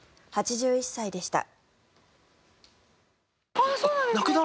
８１歳でした。